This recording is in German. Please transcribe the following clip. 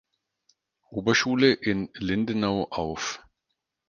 Oberschule in Lindenau auf.